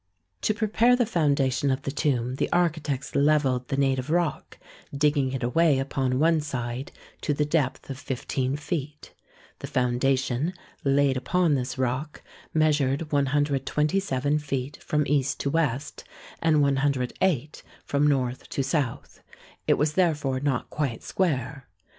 To prepare the foundation of the tomb the ar chitects levelled the native rock, digging it away upon one side to the depth of fifteen feet. The foundation, laid upon this rock, measured 127 feet from east to west, and 108 from north to south. It was therefore not quite square.